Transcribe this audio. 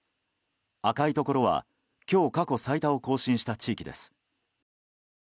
赤いところは今日過去最多を更新した地域です。